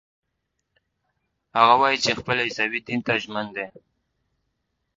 هغه وايي چې خپل عیسوي دین ته ژمن دی.